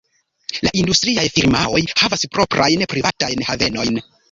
La industriaj firmaoj havas proprajn privatajn havenojn.